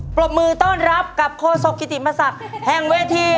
ปรบมือต้อนรับกับโคสกิติมภาษาแห่งเวที